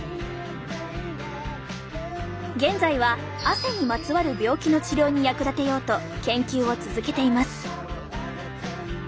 現在は汗にまつわる病気の治療に役立てようと研究を続けています。